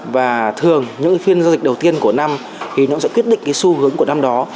và thường những phiên giao dịch đầu tiên của năm thì nó sẽ quyết định cái xu hướng của năm đó